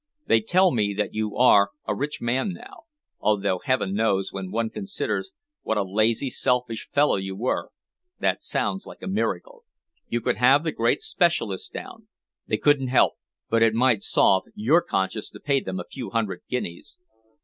They tell me that you are a rich man now, although heaven knows, when one considers what a lazy, selfish fellow you were, that sounds like a miracle. You could have the great specialists down. They couldn't help, but it might salve your conscience to pay them a few hundred guineas."